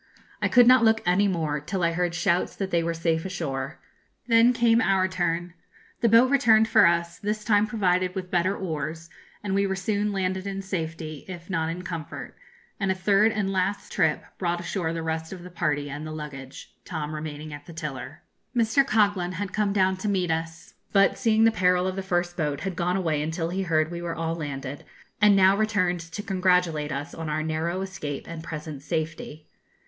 I could not look any more, till I heard shouts that they were safe ashore. Then came our turn. The boat returned for us, this time provided with better oars, and we were soon landed in safety, if not in comfort; and a third and last trip brought ashore the rest of the party and the luggage, Tom remaining at the tiller. Mr. Coghlan had come down to meet us, but, seeing the peril of the first boat, had gone away until he heard we were all landed, and now returned to congratulate us on our narrow escape and present safety.